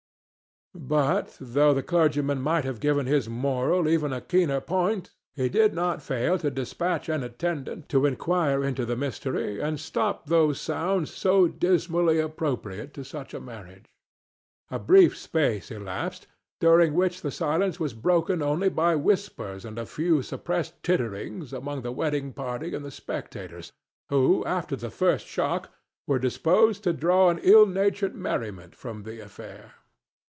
But, though the clergyman might have given his moral even a keener point, he did not fail to despatch an attendant to inquire into the mystery and stop those sounds so dismally appropriate to such a marriage. A brief space elapsed, during which the silence was broken only by whispers and a few suppressed titterings among the wedding party and the spectators, who after the first shock were disposed to draw an ill natured merriment from the affair.